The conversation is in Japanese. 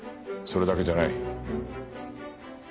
それだけじゃない。